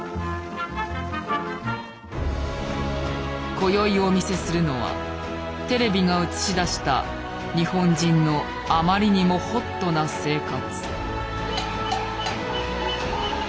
今宵お見せするのはテレビが映し出した日本人のあまりにもホットな生活。